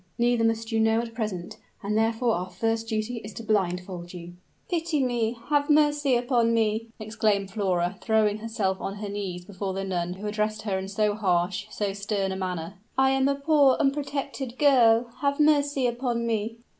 "Neither must you know at present; and therefore our first duty is to blindfold you." "Pity me have mercy upon me!" exclaimed Flora, throwing herself on her knees before the nun who addressed her in so harsh, so stern a manner. "I am a poor, unprotected girl: have mercy upon me!"